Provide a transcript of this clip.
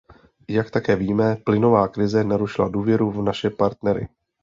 Jak také víme, plynová krize narušila důvěru v naše partnery.